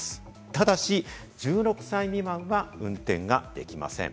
ただし１６歳未満は運転ができません。